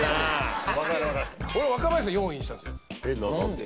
俺若林さん４位にしたんすよ。